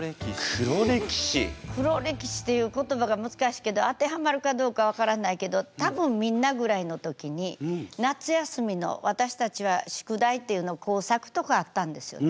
黒歴史っていう言葉が難しいけど当てはまるかどうか分からないけど多分みんなぐらいの時に夏休みの私たちは宿題っていうの工作とかあったんですよね。